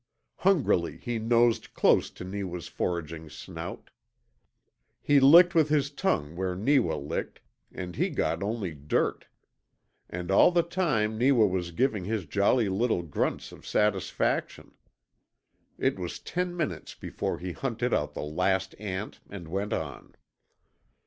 Hungrily he nosed close to Neewa's foraging snout. He licked with his tongue where Neewa licked, and he got only dirt. And all the time Neewa was giving his jolly little grunts of satisfaction. It was ten minutes before he hunted out the last ant and went on.